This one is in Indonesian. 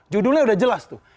judulnya udah jelas tuh